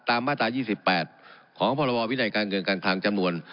ตามมาตรายี่สิบแปดของพรวมวินัยการเงินการทางจำนวน